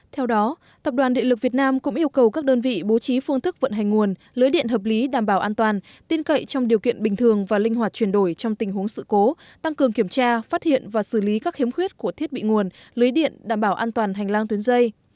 theo đó tập đoàn điện lực việt nam cũng yêu cầu các đơn vị bố trí phương thức vận hành nguồn lưới điện hợp lý đảm bảo an toàn tin cậy trong điều kiện bình thường và linh hoạt chuyển đổi trong tình huống sự cố tăng cường kiểm tra phát hiện và xử lý các hiếm khuyết của thiết bị nguồn lưới điện đảm bảo an toàn hành lang tuyến dây